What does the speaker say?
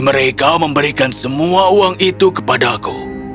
mereka memberikan semua uang itu kepadaku